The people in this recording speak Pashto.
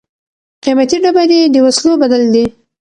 قیمتي ډبرې د وسلو بدل دي.